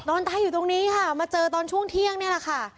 ตายอยู่ตรงนี้ค่ะมาเจอตอนช่วงเที่ยงนี่แหละค่ะ